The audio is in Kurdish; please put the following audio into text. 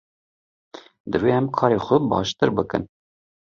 Divê em karê xwe baştir bikin.